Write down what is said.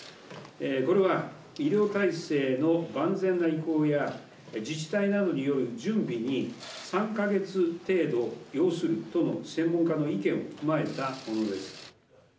これは医療体制の万全な移行や、自治体などによる準備に３か月程度要するとの専門家の意見を踏まえたものです。